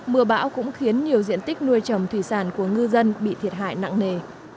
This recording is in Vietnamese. mưa bão cũng khiến nhiều diện tích nuôi trồng thủy sản của ngư dân bị thiệt hại nặng nề